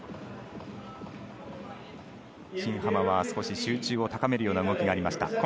新濱は少し集中を高めるような動きがありました。